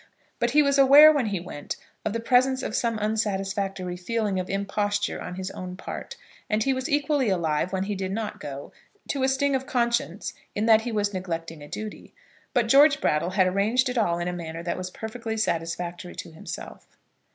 But he was aware when he went of the presence of some unsatisfactory feelings of imposture on his own part, and he was equally alive, when he did not go, to a sting of conscience in that he was neglecting a duty. But George Brattle had arranged it all in a manner that was perfectly satisfactory to himself.